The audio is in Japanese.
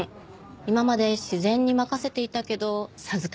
今まで自然に任せていたけど授からなかった。